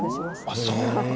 あっそう！